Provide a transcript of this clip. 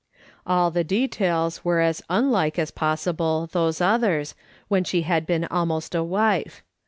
All the details were as unlike as possible those others, when she had been almost a wife.